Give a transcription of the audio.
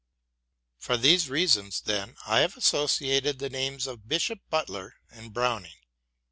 For these reasons, then, have I associated the names of Bishop Butler and Browning.